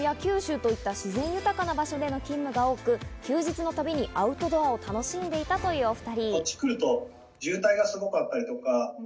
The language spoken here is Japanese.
それまでは北海道や九州といった自然豊かな場所での勤務が多く、休日のたびにアウトドアを楽しんでいたというお２人。